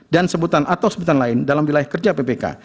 dan sebutan atau sebutan lain dalam wilayah kerja ppk